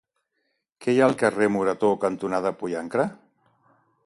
Què hi ha al carrer Morató cantonada Pollancre?